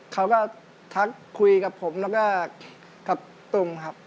เขาก็ทักคุยกับผมแล้วกับตุงครับ